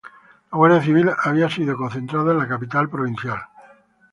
La Guardia Civil había sido concentrada en la capital provincial.